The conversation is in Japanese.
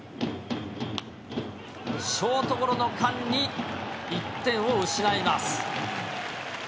ショートゴロの間に１点を失います。